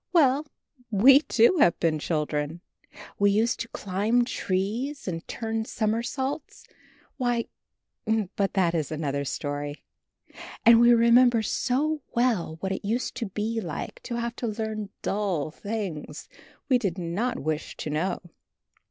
Well, we, too, have been children. We used to climb trees and turn somersaults; why But that is another story! And we remember so well what it used to be like to have to learn dull things we did not wish to know.